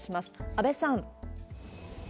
阿部さん。